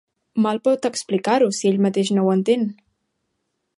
Mal pot explicar-ho si ell mateix no ho entén.